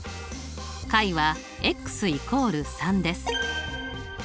解は＝３です。